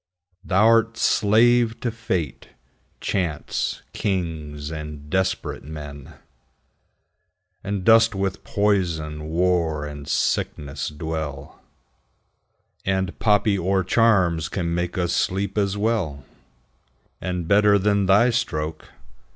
Thou'rt slave to fate, chance, kings, and desperate men, And dost with poison, war, and sickness dwell; 10 And poppy or charms can make us sleep as well And better than thy stroke.